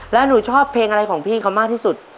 แล้วหนูชอบเพลงอะไรของพี่เขามากที่สุด